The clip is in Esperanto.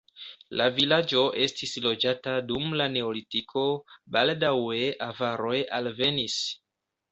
La vilaĝo estis loĝata dum la neolitiko, baldaŭe avaroj alvenis.